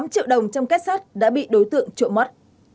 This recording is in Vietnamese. hai trăm một mươi tám triệu đồng trong két sắt đã bị đối tượng trộm mất